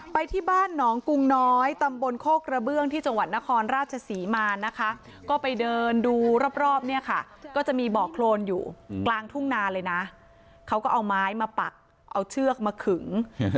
ไปที่บ้านหนองกุงน้อยตำบลโคกระเบื้องที่จังหวัดนครราชศรีมานะคะก็ไปเดินดูรอบเนี่ยค่ะก็จะมีบ่อโครนอยู่กลางทุ่งนาเลยนะเขาก็เอาไม้มาปักเอาเชือกมาขึง